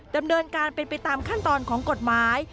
ดำเนินการเป็นไปตามขั้นตอนของกฎหมาย